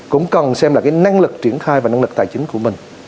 cũng cần xem là cái năng lực triển khai và năng lực tài chính của mình